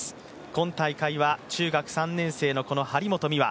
今大会は中学３年生の張本美和。